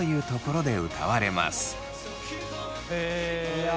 いや。